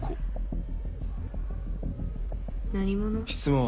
何者？